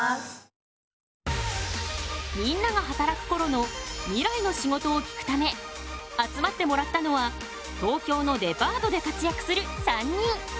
みんなが働くころのミライの仕事を聞くため集まってもらったのは東京のデパートで活躍する３人！